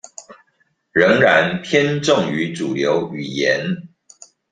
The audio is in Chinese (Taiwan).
仍然偏重於主流語言